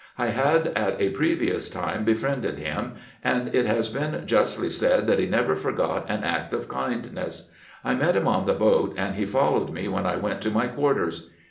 I had at a previous time be friended him, and it has been justly said that he never forgot an act of kindness. I met him on the boat, and he followed me when I went to my quarters.